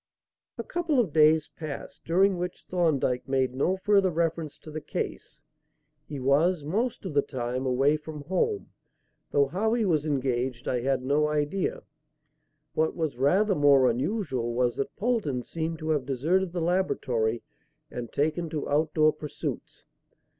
A couple of days passed, during which Thorndyke made no further reference to the case. He was, most of the time, away from home, though how he was engaged I had no idea. What was rather more unusual was that Polton seemed to have deserted the laboratory and taken to outdoor pursuits.